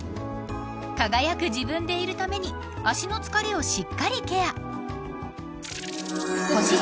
［輝く自分でいるために足の疲れをしっかりケア］